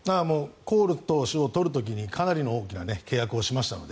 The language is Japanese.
コール投手を取る時にかなりの大きな契約をしましたので。